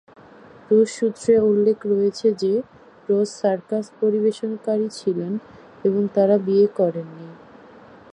রুশ সূত্রে উল্লেখ রয়েছে যে রোজ সার্কাস পরিবেশনকারী ছিলেন এবং তারা বিয়ে করেন নি।